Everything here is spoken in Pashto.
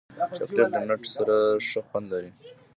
چاکلېټ له نټ سره ښه خوند لري.